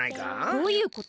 どういうこと？